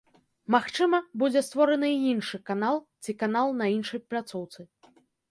Магчыма, будзе створаны і іншы канал ці канал на іншай пляцоўцы.